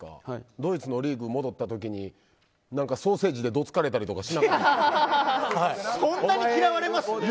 ドイツのリーグに戻ったときにソーセージでどつかれたりとかしなかったんですか。